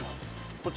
こっち？